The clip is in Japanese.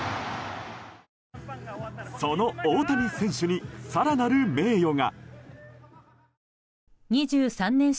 その大谷選手に更なる名誉が。